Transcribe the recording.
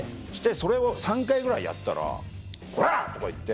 それを３回ぐらいやったら「こらぁ！」とか言って。